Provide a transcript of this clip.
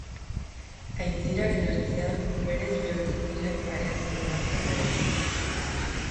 Aintziraren ertzean berez berotzen diren hareazko hondartzak daude.